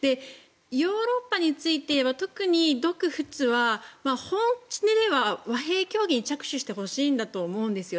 ヨーロッパについて言えば特に独仏は本音では和平協議に着手してほしいと思うんですよ。